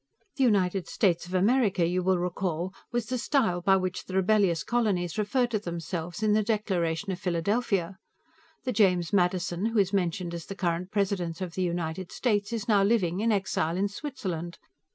The United States of America, you will recall, was the style by which the rebellious colonies referred to themselves, in the Declaration of Philadelphia. The James Madison who is mentioned as the current President of the United States is now living, in exile, in Switzerland.